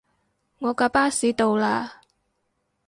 我架巴士到喇